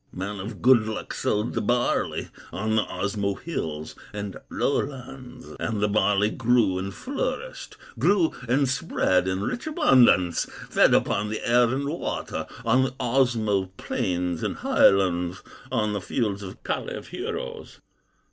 "Man of good luck sowed the barley On the Osmo hills and lowlands, And the barley grew and flourished, Grew and spread in rich abundance, Fed upon the air and water, On the Osmo plains and highlands, On the fields of Kalew heroes.